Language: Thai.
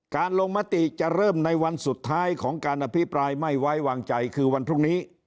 ลงมติจะเริ่มในวันสุดท้ายของการอภิปรายไม่ไว้วางใจคือวันพรุ่งนี้